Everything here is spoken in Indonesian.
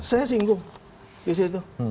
saya singgung di situ